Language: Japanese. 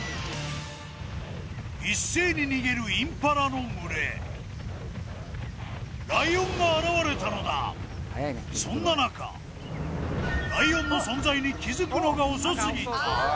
一斉に逃げるインパラの群れそんな中ライオンの存在に気付くのが遅すぎた